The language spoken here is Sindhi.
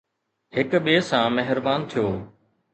هڪ ٻئي سان مهربان ٿيو